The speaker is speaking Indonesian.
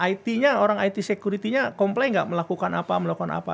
it nya orang it security nya comply nggak melakukan apa melakukan apa